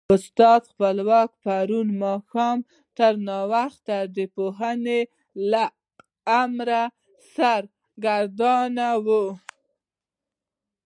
استاد خپلواک پرون ماښام تر ناوخته د پوهنې له امر سره سرګردانه و.